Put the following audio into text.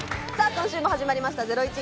今週も始まりました『ゼロイチ』。